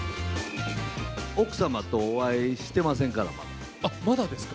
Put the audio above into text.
奥様とお会いしてませんから、まだですか？